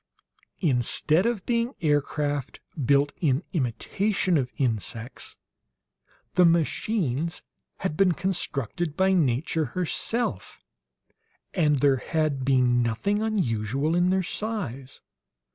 Instead of being aircraft built in imitation of insects, the machines had been constructed by nature herself, and there had been nothing unusual in their size.